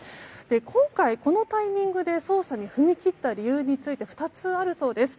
今回、このタイミングで捜査に踏み切った理由について２つあるそうです。